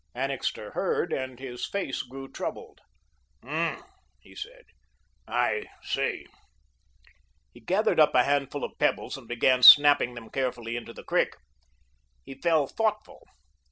Annixter heard and his face grew troubled. "Hum," he said, "I see." He gathered up a handful of pebbles and began snapping them carefully into the creek. He fell thoughtful.